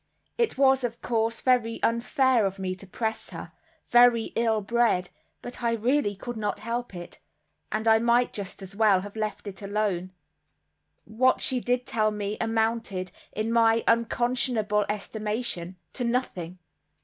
It was, of course, very unfair of me to press her, very ill bred, but I really could not help it; and I might just as well have let it alone. What she did tell me amounted, in my unconscionable estimation—to nothing.